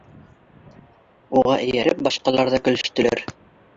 Уға эйәреп башҡалар ҙа көлөштөләр.